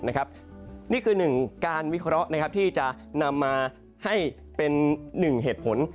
นี่คือหนึ่งการวิเคราะห์ที่จะนำมาให้เป็นหนึ่งเหตุผล